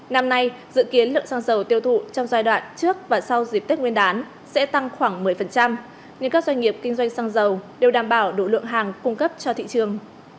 năm nay dự kiến lượng xăng dầu tiêu thụ trong giai đoạn trước và sau dịp tết nguyên đán sẽ tăng khoảng một mươi nên các doanh nghiệp kinh doanh xăng dầu đều đảm bảo đủ lượng hàng cung cấp cho thị trường